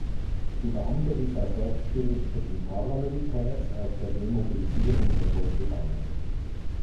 Die Bande ist aus rechtsgerichteten Paramilitärs aus der Demobilisierung hervorgegangen.